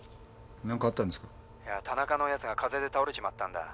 ☎田中のヤツが風邪で倒れちまったんだ。